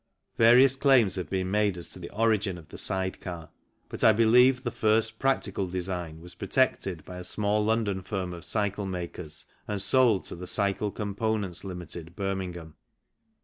Various claims have been made as to the origin of the side car, but I believe the first practical design was protected by a small London firm of cycle makers and sold to the Cycle Components, Ltd., Birmingham.